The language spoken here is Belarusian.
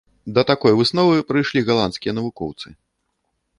Да такой высновы прыйшлі галандскія навукоўцы.